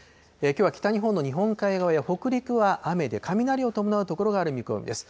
きょうは北日本の日本海側や北陸は雨で、雷を伴う所がある見込みです。